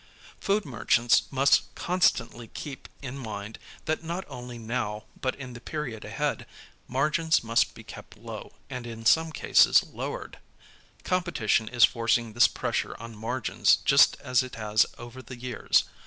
Food merchants must constantly keep in mind that not only now but in the period ahead, margins must be kept low and in some cases lowered. Competition is forcing this pressure on margins just as it has over the years.